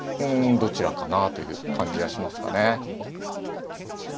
どちらかなという感じがしますかね。